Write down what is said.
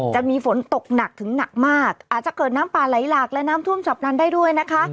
จะมีฝนตกหนักถึงหนักมากอาจจะเกิดน้ำป่าไหลหลากและน้ำท่วมฉับนั้นได้ด้วยนะคะ